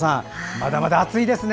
まだまだ熱いですね。